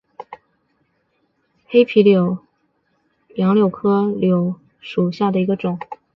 黑皮柳为杨柳科柳属下的一个种。